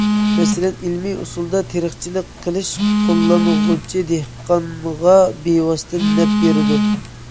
مەسىلەن، ئىلمىي ئۇسۇلدا تېرىقچىلىق قىلىش قوللانغۇچى دېھقانغا بىۋاسىتە نەپ بېرىدۇ.